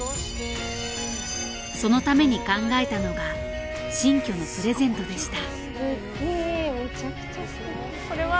そのために考えたのが新居のプレゼントでした。